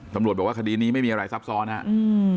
สำหรับบอกว่าคดีนี้ไม่มีอะไรซับซ้อนฮะอืม